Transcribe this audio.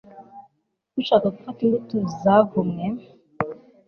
Ushaka gufata imbuto zavumwe